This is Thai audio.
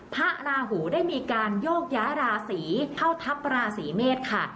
พระราหูได้มีการโยกย้ายราศีเข้าทัพราศีเมษค่ะ